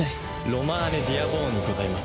ロマーネ・ディアーボーンにございます。